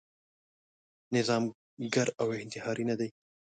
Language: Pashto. نظاميګر او انتحاري نه دی.